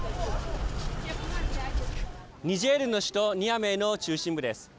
ニジェールの首都ニアメの中心部です。